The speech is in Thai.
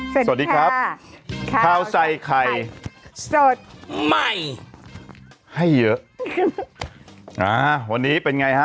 สวัสดีครับข้าวใส่ไข่สดใหม่ให้เยอะอ่าวันนี้เป็นไงฮะ